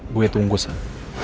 gue tunggu san